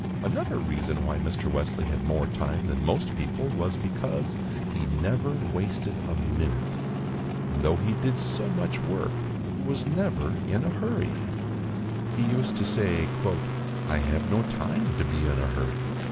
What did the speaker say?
Another reason why Mr. Wesley had more time than most people was, because he NEVER WASTED A MINUTE, and though he did so much work, he was never in a hurry. He used to say, "I have no time to be in a hurry."